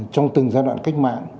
trong từng giai đoạn cách mạng